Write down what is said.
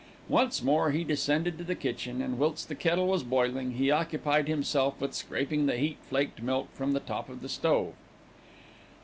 Once more he descended to the kitchen and, whilst the kettle was boiling, he occupied himself with scraping the heat flaked milk from the top of the stove.